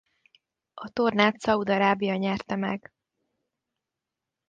A tornát Szaúd-Arábia nyerte meg.